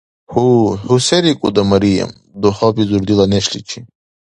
— Гьу, хӀу се рикӀуда, Мариям? — дугьабизур дила нешличи.